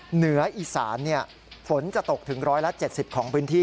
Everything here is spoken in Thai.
เหนืออีสานฝนจะตกถึง๑๗๐ของพื้นที่